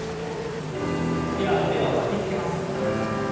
次は腕を巻きつけます。